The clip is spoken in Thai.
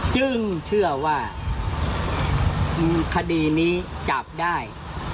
จึงเชื่อว่าคดีนี้จับได้